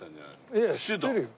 いやいや知ってるよ。